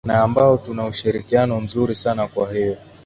na ambao tunaushirikiano mzuri sana kwa hiyo